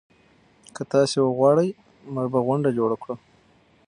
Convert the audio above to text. که تاسي وغواړئ موږ به غونډه جوړه کړو.